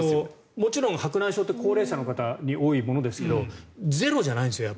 もちろん白内障って高齢者に多いものですがゼロじゃないんですよ。